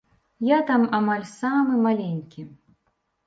Я там амаль самы маленькі.